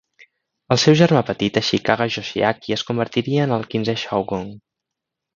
Els seu germà petit Ashikaga Yoshiaki es convertiria en el quinzè shogun.